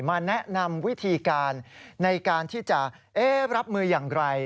มาแนะนำวิธีการในการที่จะรับมืออย่างไร